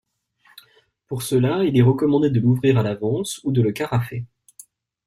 Pour cela, il est recommandé de l'ouvrir à l'avance ou de le carafer.